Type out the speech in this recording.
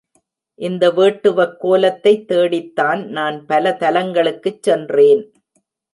இந்த வேட்டுவக் கோலத்தைத் தேடித்தான் நான் பல தலங்களுக்குச் சென்றேன்.